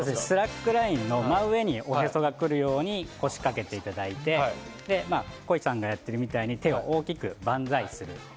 スラックラインの真上におへそが来るように腰かけていただいて、恋ちゃんがやってるみたいに手を大きく万歳する。